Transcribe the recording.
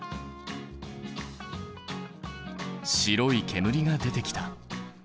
白い煙が出てきた。